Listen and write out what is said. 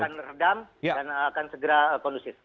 akan meredam dan akan segera kondusif